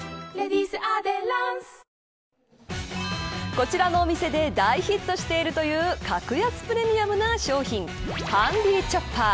こちらのお店で大ヒットしているという格安プレミアムな商品ハンディーチョッパー。